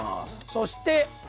そして。